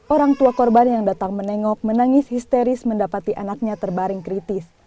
orang tua korban yang datang menengok menangis histeris mendapati anaknya terbaring kritis